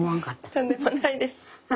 とんでもないです。